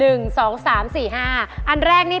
อุปกรณ์ทำสวนชนิดใดราคาถูกที่สุด